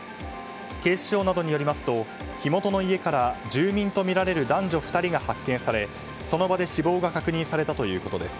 警視庁などによりますと火元の家から住民とみられる男女２人が発見されその場で死亡が確認されたということです。